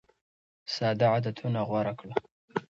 ساده عادتونه غوره کړه.